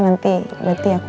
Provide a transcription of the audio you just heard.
nanti nanti berarti aku harus